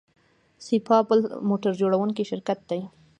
سایپا بل موټر جوړوونکی شرکت دی.